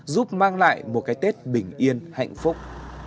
giúp mang lại một cái tết bình yên hạnh phúc